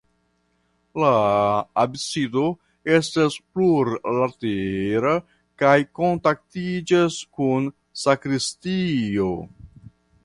La absido estas plurlatera kaj kontaktiĝas kun sakristio.